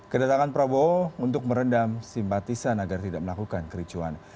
kedatangan prabowo untuk merendam simpatisan agar tidak melakukan kericuan